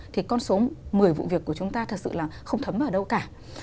thì con số một mươi vụ việc của chúng ta thật sự là không thấm ở đâu cả